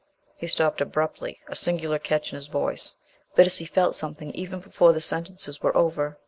He stopped abruptly, a singular catch in his voice. Bittacy felt something even before the sentences were over.